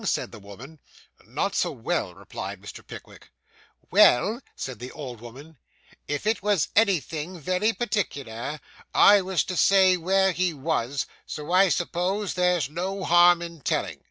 said the woman. 'Not so well,' replied Mr. Pickwick. 'Well,' said the old woman, 'if it was anything very particular, I was to say where he was, so I suppose there's no harm in telling.